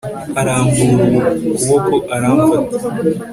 arambura ukuboko aramfata